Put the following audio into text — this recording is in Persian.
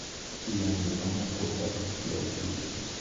جویندگان قدرت سیاسی